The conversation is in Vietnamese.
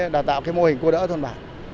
đào tạo mô hình cô đỡ thôn bản